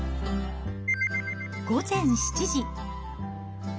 午前７時。